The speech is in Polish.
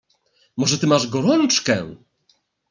"Może ty masz gorączkę?"